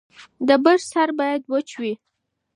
د برس سر باید وچ وي.